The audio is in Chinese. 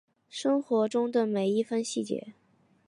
生活中的每一分细节